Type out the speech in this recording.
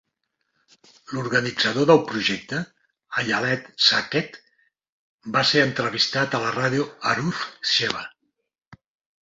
L'organitzador del projecte, Ayelet Shaked va ser entrevistat a la ràdio Arutz Sheva.